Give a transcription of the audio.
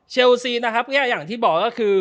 ซีนะครับอย่างที่บอกก็คือ